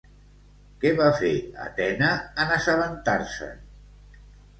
Què va fer Atena en assabentar-se'n?